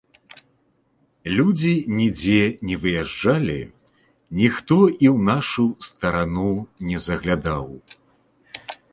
Людзі нідзе не выязджалі, ніхто і ў нашу старану не заглядаў.